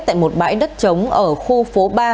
tại một bãi đất chống ở khu phố ba